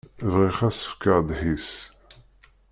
Bɣiɣ ad s-fkeɣ ddḥis.